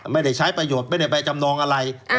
ไม่ได้ใช้ประโยชน์ไม่ได้ไปจำนองอะไร